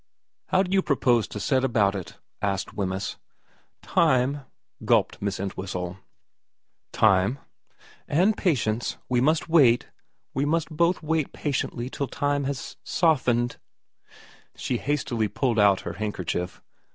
' How do you propose to set about it ?' asked Wemyss. ' Time,' gulped Miss Entwhistle. ' Time ?'' And patience. We must wait we must both wait p patiently till time has s softened ' She hastily pulled out her handkerchief.